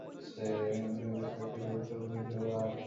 তিনি বেশ কয়েকটি ছবিতে অভিনেতা হিসেবেও কাজ করেছেন।